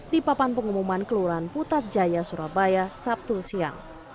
di papan pengumuman kelurahan putat jaya surabaya sabtu siang